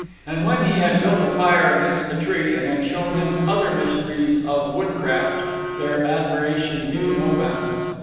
And when he had built a fire against a tree, and had shown them other mysteries of woodcraft, their admiration knew no bounds.